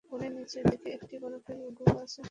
বনের নিচের দিকে একটি বরফের গুহা আছে।